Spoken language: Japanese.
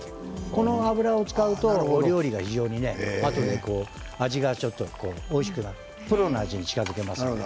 この油を使うとお料理がおいしくなってプロの味に近づきます。